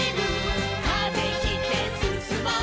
「風切ってすすもう」